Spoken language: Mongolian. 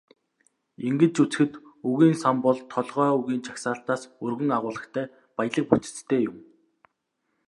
Ингэж үзэхэд, үгийн сан бол толгой үгийн жагсаалтаас өргөн агуулгатай, баялаг бүтэцтэй юм.